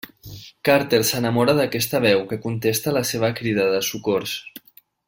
Carter s’enamora d’aquesta veu que contesta la seva crida de socors.